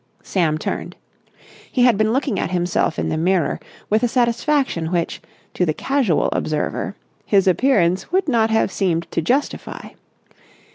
Sam turned. He had been looking at himself in the mirror with a satisfaction which, to the casual observer, his appearance would not have seemed to justify.